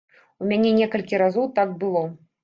У мяне некалькі разоў так было.